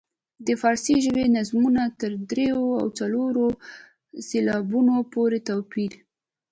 د فارسي ژبې نظمونو تر دریو او څلورو سېلابونو پورې توپیر.